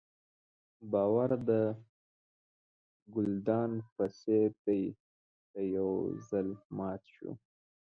باور د ګلدان په څېر دی که یو ځل مات شو.